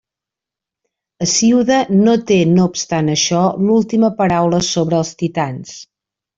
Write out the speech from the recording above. Hesíode no té no obstant això l'última paraula sobre els titans.